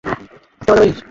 চেষ্টা করা যাক।